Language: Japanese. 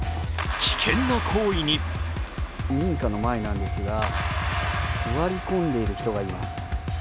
危険な行為に民家の前なんですが、座り込んでいる人がいます。